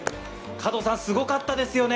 加藤さん、すごかったですよね。